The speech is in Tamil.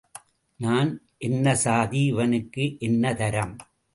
நான் என்ன சாதி இவனுக்கு என்ன தரம்?